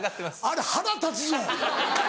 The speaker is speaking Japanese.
あれ腹立つぞ。